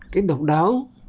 cái độc đáo